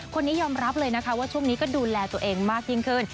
คนนี้ยอมรับเลยนะคะว่าช่วงนี้ก็ดูแลตัวเองมากยิ่งขึ้น